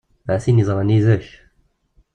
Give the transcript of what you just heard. A tin yeḍran yid-k!